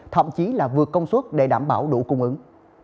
thậm chí là vượt công suất để đảm bảo đủ cung ứng